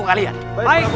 kau melihat suhu ratu